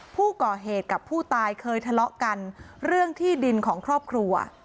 ผู้ก่อเหตุกับผู้ตายเคยทะเลาะกันเรื่องที่ดินของครอบครัว